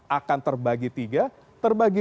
akan terbagi tiga terbagi